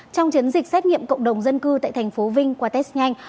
trong chiến dịch xét nghiệm cộng đồng dân cư tại tp vinh qua test nhanh